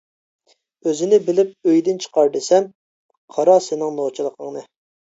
— ئۆزىنى بىلىپ ئۆيدىن چىقار دېسەم، قارا سېنىڭ نوچىلىقىڭنى.